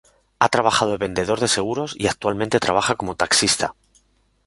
Ha trabajado de vendedor de seguros y actualmente trabaja como taxista.